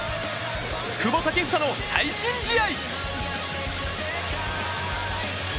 久保建英の最新試合。